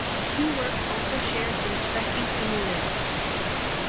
The two works also share some striking similarities.